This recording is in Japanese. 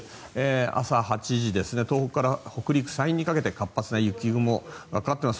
朝８時東北から北陸、山陰にかけて活発な雪雲がかかっています。